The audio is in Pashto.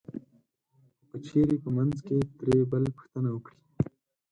خو که چېرې په منځ کې ترې بل پوښتنه وکړي